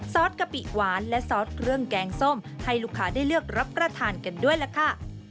กะปิหวานและซอสเครื่องแกงส้มให้ลูกค้าได้เลือกรับประทานกันด้วยล่ะค่ะ